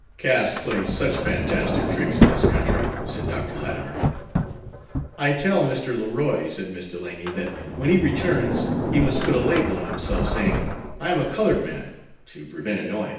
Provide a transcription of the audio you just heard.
"Caste plays such fantastic tricks in this country," said Dr. Latimer. "I tell Mr. Leroy," said Miss Delany, "that when he returns he must put a label on himself, saying, 'I am a colored man,' to prevent annoyance."